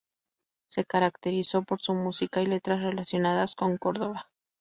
Se caracterizó por su música y letras relacionadas con Córdoba.